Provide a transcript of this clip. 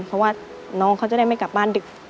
เพราะว่าน้องเขาจะได้ไม่กลับบ้านดึก